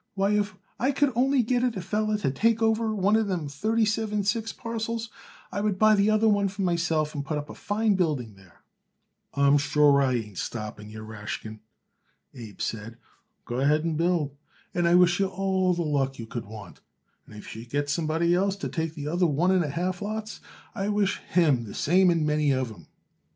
Why, if I could only get it a feller to take over one of them thirty seven six parcels, I would buy the other one myself and put up a fine building there?" "I'm sure I ain't stopping you, Rashkin," Abe said. "Go ahead and build, and I wish you all the luck you could want; and if you should get somebody else to take the other one and a half lots, I wish him the same and many of 'em.